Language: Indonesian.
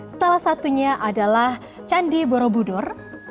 salah satunya adalah candi borobudur